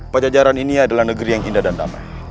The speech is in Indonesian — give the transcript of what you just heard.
pajajaran ini adalah negeri yang indah dan damai